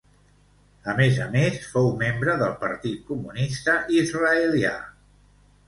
A més a més, fou membre del Partit Comunista Israelià.